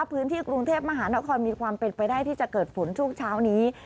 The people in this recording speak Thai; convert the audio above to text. พื้นที่กรุงเทพมหานครมีความเป็นไปได้ที่จะเกิดฝนช่วงเช้านี้